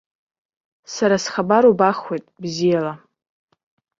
Сара схабар убахуеит, бзиала!